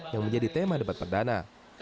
yang menjadi tema debat perdana